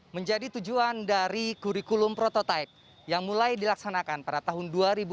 menjadi tujuan dari kurikulum prototipe yang mulai dilaksanakan pada tahun dua ribu dua puluh